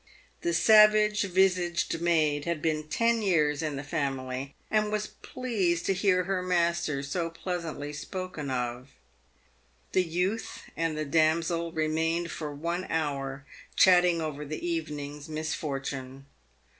The savage visaged maid had been ten years in the family, and was pleased to hear her master so pleasantly spoken of. The youth and the damsel remained for one hour chatting over the evening's misfortune.